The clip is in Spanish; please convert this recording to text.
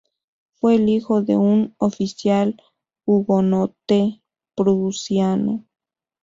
Fue el hijo de un oficial hugonote prusiano.